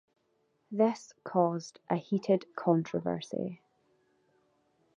This caused a heated controversy.